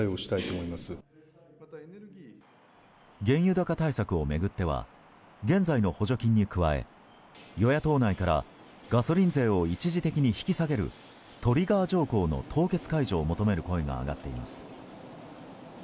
原油高対策を巡っては現在の補助金に加え与野党内からガソリン税を一時的に引き下げるトリガー条項の凍結解除を求める声が上がっています。